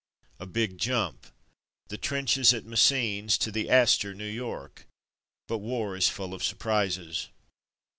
A big jump! The trenches at Messines to the Astor, New York ; but war is full of surprises.